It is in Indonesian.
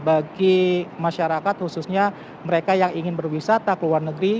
bagi masyarakat khususnya mereka yang ingin berwisata ke luar negeri